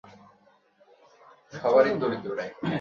Damien, বুক ভরে দম নাও!